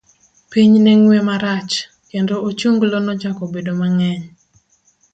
Piny ne ng'we marach, kendo ochunglo nochako bedo mang'eny.